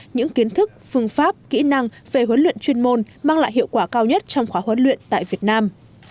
những kiến thức phương pháp kỹ năng về huấn luyện chuyên môn mang lại hiệu quả cao nhất trong khóa huấn luyện tại việt nam